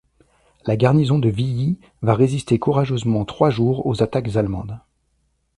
La garnison de Villy va résister courageusement trois jours aux attaques allemandes.